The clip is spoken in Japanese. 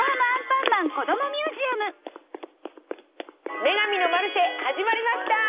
『女神のマルシェ』始まりました！